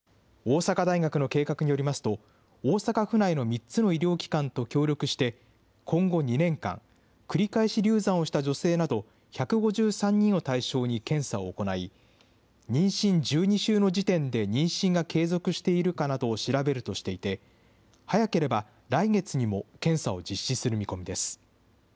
大阪大学の計画によりますと、大阪府内の３つの医療機関と協力して、今後２年間、繰り返し流産をした女性など１５３人を対象に、検査を行い、妊娠１２週の時点で妊娠が継続しているかなどを調べるとしていて、早ければ来月にも検査を実施する見込みです。